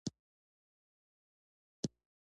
د موبایل زنګ را وېښ کړم.